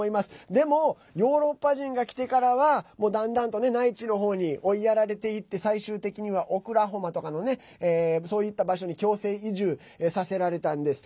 でも、ヨーロッパ人が来てからはだんだんと内地のほうに追いやられていって最終的には、オクラホマとかのそういった場所に強制移住させられたんです。